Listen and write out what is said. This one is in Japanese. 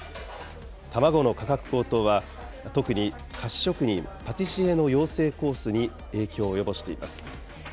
卵の価格高騰は、特に菓子職人、パティシエの養成コースに影響を及ぼしています。